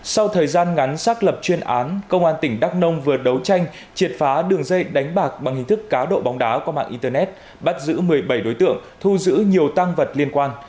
sau thời gian ngắn xác lập chuyên án công an tỉnh đắk nông vừa đấu tranh triệt phá đường dây đánh bạc bằng hình thức cá độ bóng đá qua mạng internet bắt giữ một mươi bảy đối tượng thu giữ nhiều tăng vật liên quan